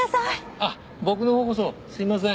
あっ僕のほうこそすみません。